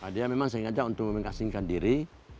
dia memang sengaja untuk mengasingkan diri